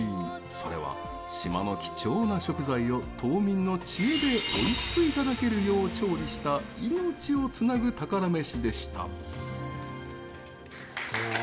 それは島の貴重な食材を島民の知恵で、おいしくいただけるよう調理した命をつなぐ宝メシでした。